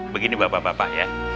begini bapak bapak ya